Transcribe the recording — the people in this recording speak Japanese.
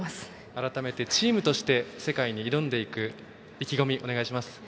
改めてチームとして世界に挑んでいく意気込みをお願いします。